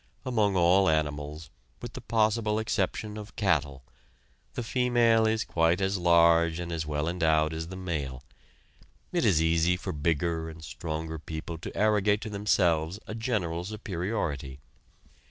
Among all animals, with the possible exception of cattle, the female is quite as large and as well endowed as the male. It is easy for bigger and stronger people to arrogate to themselves a general superiority.